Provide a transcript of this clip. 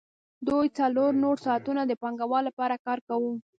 دوی څلور نور ساعتونه د پانګوال لپاره کار کاوه